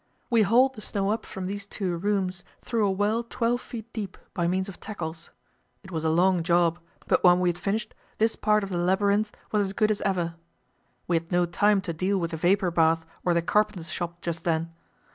We hauled the snow up from these two rooms through a well twelve feet deep by means of tackles. It was a long job, but when we had finished this part of the labyrinth was as good as ever. We had no time to deal with the vapour bath or the carpenter's shop just then.